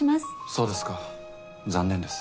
そうですか残念です。